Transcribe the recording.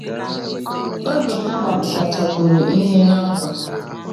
Oge ha gbapụtachagoro ihe na mbọ